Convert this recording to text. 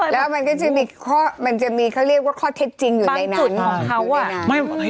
แล้วมันก็จะมีข้อเขาเรียกว่าข้อเท็จจริงอยู่ในนั้น